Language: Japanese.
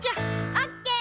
オッケー。